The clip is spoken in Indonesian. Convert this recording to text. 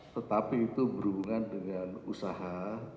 tetapi itu berhubungan dengan usaha